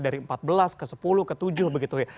dari empat belas ke sepuluh ke tujuh begitu ya